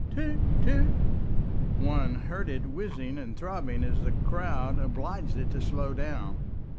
"Toot, toot!" One heard it whizzing and throbbing as the crowd obliged it to slow down.